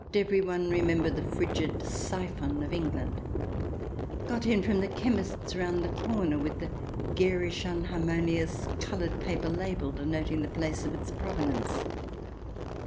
Ill] SLEEPY HOLLOW 43 Does not everyone remember the frigid syphon of England, got in from the chemist's round the corner, with the garish, unharmonious, coloured paper label denoting the place of its provenance